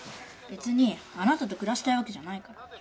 別にあなたと暮らしたいわけじゃないから。